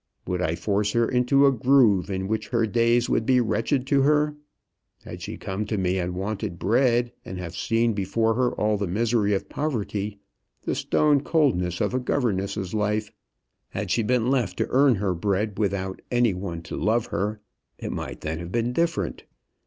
Would I force her into a groove in which her days would be wretched to her? Had she come to me and wanted bread, and have seen before her all the misery of poverty, the stone coldness of a governess's life; had she been left to earn her bread without any one to love her, it might then have been different.